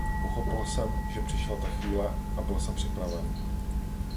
Pochopil jsem že přišla ta chvíle a byl jsem připraven.